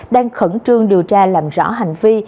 đang khẩn trương điều tra làm rõ hành vi